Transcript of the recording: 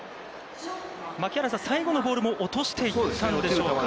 槙原さん、最後のボールも落としていったんでしょうか。